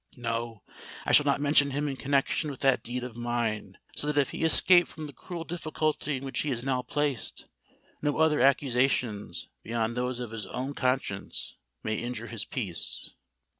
No—I shall not mention him in connexion with that deed of mine; so that if he escape from the cruel difficulty in which he is now placed, no other accusations, beyond those of his own conscience, may injure his peace."